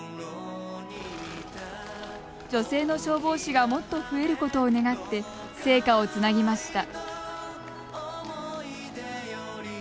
女性の消防士がもっと増えることを願って聖火をつなぎました。